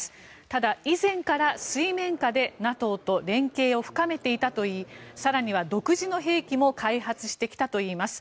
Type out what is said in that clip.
ただ、以前から水面下でＮＡＴＯと連携を深めていたといい更には独自の兵器も開発してきたといいます。